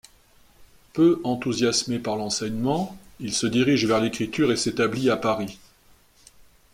Peu enthousiasmé par l'enseignement, il se dirige vers l'écriture et s'établit à Paris.